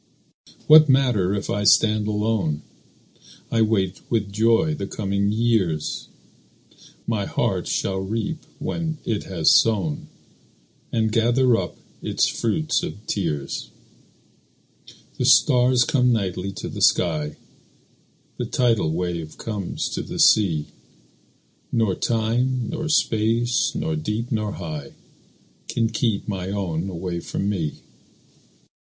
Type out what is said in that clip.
What matter if I stand alone? I wait with joy the coming years; My heart shall reap when it has sown, And gather up its fruit of tears. The stars come nightly to the sky; The tidal wave comes to the sea; Nor time, nor space, nor deep, nor high, Can keep my own away from me.